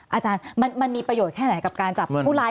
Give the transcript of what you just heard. อาจารย์มันมีประโยชน์แค่ไหนกับการจับผู้ร้าย